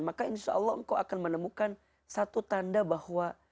maka insya allah engkau akan menemukan satu tanda bahwa